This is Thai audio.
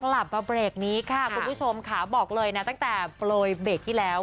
กลับมาเบรกนี้ค่ะคุณผู้ชมค่ะบอกเลยนะตั้งแต่โปรยเบรกที่แล้ว